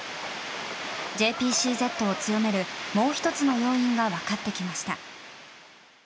ＪＰＣＺを強める、もう１つの要因が分かってきました。